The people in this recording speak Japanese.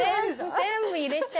全部入れちゃ。